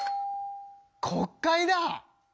国会だ！